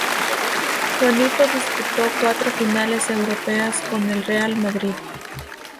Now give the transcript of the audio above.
Juanito disputó cuatro finales europeas con el Real Madrid.